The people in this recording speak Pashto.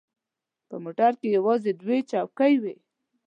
په موټر کې یوازې دوې چوکۍ وې.